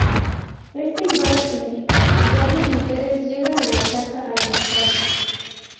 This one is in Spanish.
Éste igual las invita y varias mujeres llegan a la casa al instante.